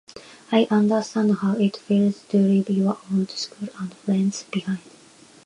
I understand how it feels to leave your old school and friends behind.